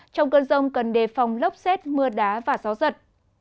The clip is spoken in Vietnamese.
trong cơn rông cần đề phòng lốc xét mưa đá và gió giật